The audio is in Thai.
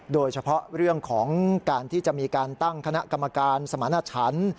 โดยเฉพาะเรื่องของการที่จะมีการตั้งคณะกรรมการสมรรถฉัน